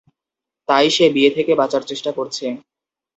তাই সে বিয়ে থেকে বাঁচার চেষ্টা করছে।